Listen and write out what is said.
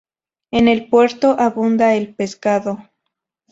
En el puerto abunda el pescado.